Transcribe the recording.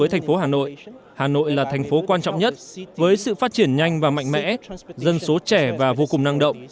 hà nội là thành phố quan trọng nhất với sự phát triển nhanh và mạnh mẽ dân số trẻ và vô cùng năng động